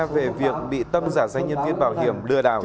về việc bị tâm giả danh nhân viên bảo hiểm lừa đảo